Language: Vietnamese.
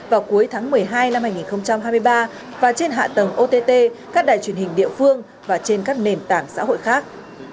vào cuối tháng một mươi hai năm hai nghìn hai mươi ba và trên hạ tầng ott các đài truyền hình địa phương và trên các nền tảng xã hội khác